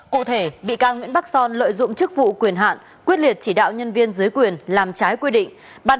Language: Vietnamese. cụ thể bị can nguyễn bắc son lợi dụng chức vụ quyền hạn quyết liệt chỉ đạo nhân viên dưới quyền làm trái quy định